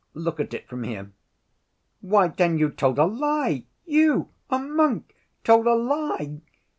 Look at it from here." "Why, then you told a lie? You, a monk, told a lie!"